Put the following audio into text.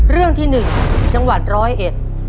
เรื่องที่หนึ่งจังหวัดร้อยเอ็ด